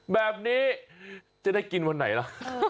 แบบนี้จะได้กินวันไหนล่ะ